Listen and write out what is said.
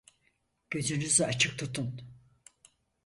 Gözünüzü açık tutun.